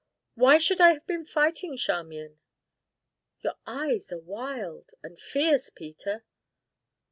"Why should I have been fighting, Charmian?" "Your eyes are wild and fierce, Peter."